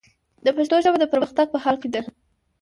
د پښتو ژبه، د پرمختګ په حال کې ده.